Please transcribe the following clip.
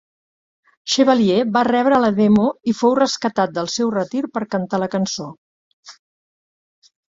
Chevalier va rebre la demo i fou rescatat del seu retir per cantar la cançó.